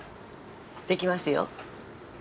できますよ。